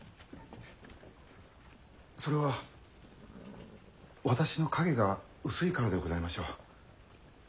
それは私の影が薄いからでございましょう。